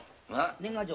年賀状。